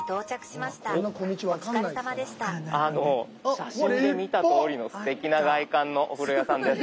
写真で見たとおりのすてきな外観のお風呂屋さんです。